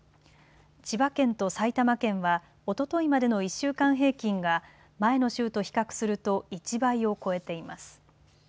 千葉県と埼玉県はおとといまでの１週間平均が前の週と比較すると１倍を超えています。